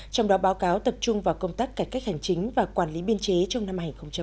trong đó báo cáo tập trung vào công tác cải cách hành chính và quản lý biên chế trong năm hai nghìn một mươi chín